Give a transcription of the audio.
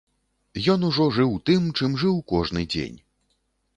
Ён ужо жыў тым, чым жыў кожны дзень.